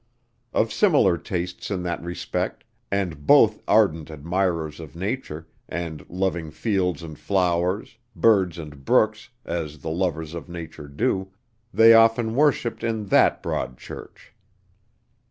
Of similar tastes in that respect, and both ardent admirers of nature, and loving fields and flowers, birds and brooks, as the lovers of nature do, they often worshipped in that broad church.